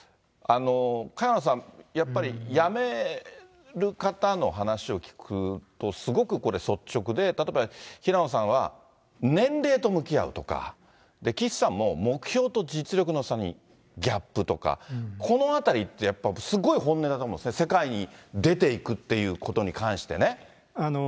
萱野さん、やっぱり辞める方の話を聞くと、すごくこれ、率直で、例えば、平野さんは年齢と向き合うとか、岸さんも、目標と実力の差にギャップとか、このあたりって、やっぱり、すっごい本音だと思うんですね、世界に出ていくっていうことに関してね。